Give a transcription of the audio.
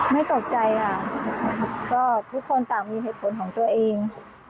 ไม่ตกใจค่ะก็ทุกคนต่างมีเหตุผลของตัวเอง